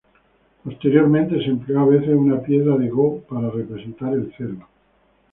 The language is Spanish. Posteriormente, se empleó a veces una piedra de go para representar el cero.